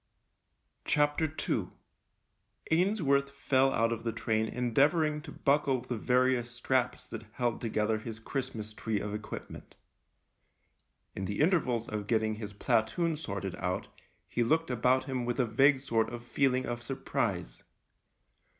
II Ainsworth fell out of the train endeavouring to buckle the various straps that held together his Christmas tree of equipment. In the intervals of getting his platoon sorted out he looked about him with a vague sort of feeling of surprise.